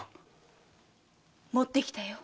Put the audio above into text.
持ってきたよ